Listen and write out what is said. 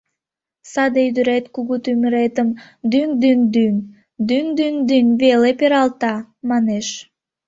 Саде ӱдырет кугу тӱмыретым дӱҥ-дӱҥ-дӱҥ, дӱҥ-дӱҥ-дӱҥ веле пералта, манеш.